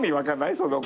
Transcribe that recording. その子。